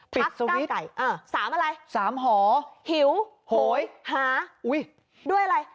พักก้าวไก่เออสามอะไรสามหอหิวโหยหาอุ้ยด้วยอะไร